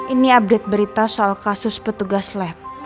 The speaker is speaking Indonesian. ini update berita soal kasus petugas lab